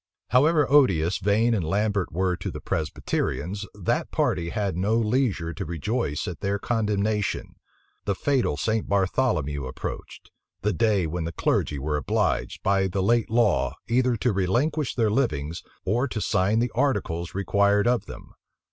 However odious Vane and Lambert were to the Presbyterians, that party had no leisure to rejoice at their condemnation. The fatal St. Bartholomew approached; the day when the clergy were obliged, by the late law, either to relinquish their livings, or to sign the articles required of them.